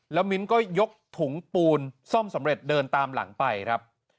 แล้วมิ้นก็ยกถุงปูนซ่อมสำเร็จเดินตามหลังไปครับ